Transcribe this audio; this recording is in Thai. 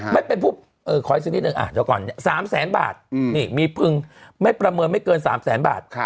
แล้วเป็นผู้ขออีกสินิดนึงเจอก่อน๓แสนบาทมีพึงไม่ประเมินไม่เกิน๓แสนบาท